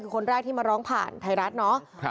คือคนแรกที่มาร้องผ่านไทยรัฐเนาะ